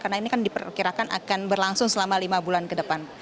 karena ini kan diperkirakan akan berlangsung selama lima bulan ke depan